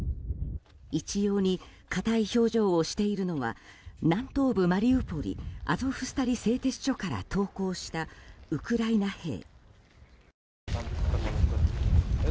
一様に硬い表情をしているのは南東部マリウポリアゾフスタリ製鉄所から投降したウクライナ兵。